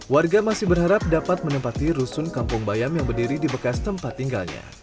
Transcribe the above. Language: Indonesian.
warga masih berharap dapat menempati rusun kampung bayam yang berdiri di bekas tempat tinggalnya